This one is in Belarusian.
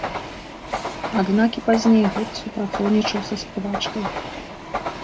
Аднак і пазней гурт супрацоўнічаў са спявачкай.